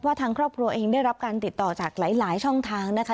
ทางครอบครัวเองได้รับการติดต่อจากหลายช่องทางนะคะ